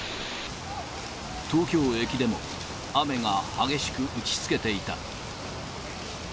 東京駅でも、雨が激しく打ちつけていた。